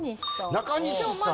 中西さん。